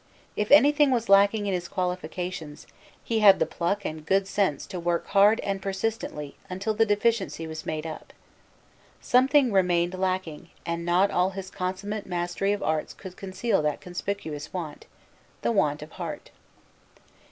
If anything was lacking in his qualifications, he had the pluck and good sense to work hard and persistently until the deficiency was made up. Something remained lacking, and not all his consummate mastery of arts could conceal that conspicuous want, the want of heart.